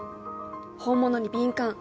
本物に敏感